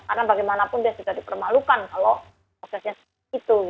karena bagaimanapun dia sudah dipermalukan kalau prosesnya seperti itu